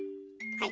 はい。